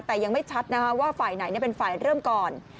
แต่ยังไม่ชัดว่าฝ่ายไหนเป็นฝ่ายเริ่มก่อน